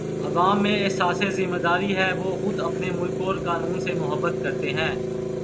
عوام میں احساس ذمہ داری ہے وہ خود اپنے ملک اور قانون سے محبت کرتے ہیں